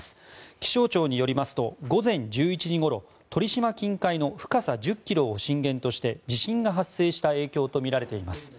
気象庁によりますと午前１１時ごろ鳥島近海の深さ１０ｋｍを震源として地震が発生した影響とみられています。